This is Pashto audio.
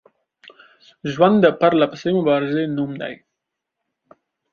ژوند د پرلپسې مبارزې نوم دی